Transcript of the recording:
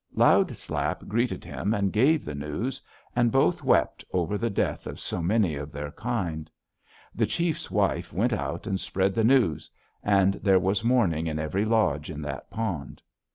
"Loud Slap greeted him and gave the news, and both wept over the death of so many of their kind. The chief's wife went out and spread the news, and there was mourning in every lodge in that pond.